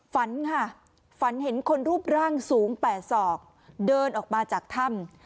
ฝันค่ะฝันเห็นคนรูปร่างสูง๘ศอกเดินออกมาจากถ้ำ